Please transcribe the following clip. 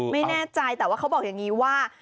ไม่แน่ใจแต่ว่าเขาบอกอย่างนี้ว่า